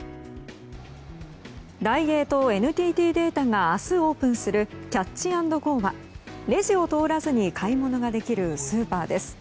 ダイエーとＮＴＴデータが明日オープンするＣＡＴＣＨ＆ＧＯはレジを通らずに買い物ができるスーパーです。